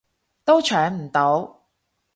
都搶唔到